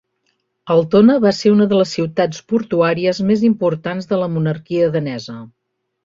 Altona va ser una de les ciutats portuàries més importants de la monarquia danesa.